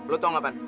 lo tau gak pan